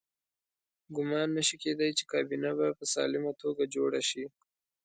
ګمان نه شي کېدای چې کابینه به په سالمه توګه جوړه شي.